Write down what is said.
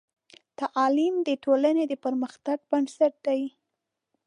تعلیم د ټولنې د پرمختګ بنسټ دی.